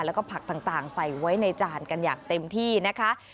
แล้วก็ผักต่างใส่ไว้ในจานกันอย่างเต็มที่นะคะ